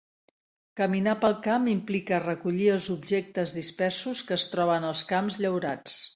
Caminar pel camp implica recollir els objectes dispersos que es troben als camps llaurats.